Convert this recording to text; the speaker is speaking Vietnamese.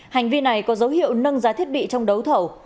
hành vi này có dấu hiệu nâng giá thiết bị trong đấu thầu